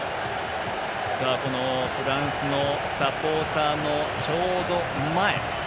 フランスのサポーターのちょうど前。